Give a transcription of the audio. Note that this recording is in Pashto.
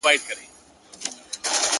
نور دي نو شېخاني كيسې نه كوي ـ